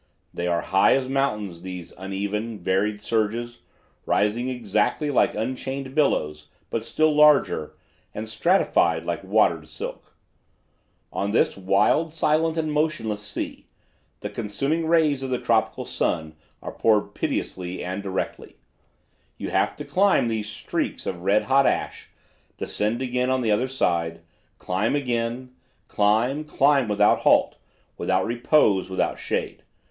They are high as mountains, these uneven, varied surges, rising exactly like unchained billows, but still larger, and stratified like watered silk. On this wild, silent, and motionless sea, the consuming rays of the tropical sun are poured pitilessly and directly. You have to climb these streaks of red hot ash, descend again on the other side, climb again, climb, climb without halt, without repose, without shade.